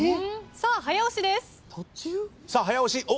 さあ早押しです。